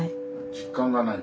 実感がない？